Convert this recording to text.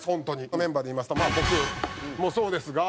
メンバーでいいますとまあ僕もそうですが本当に。